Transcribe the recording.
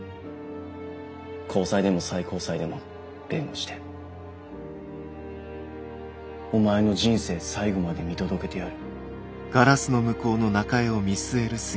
高裁でも最高裁でも弁護してお前の人生最後まで見届けてやる。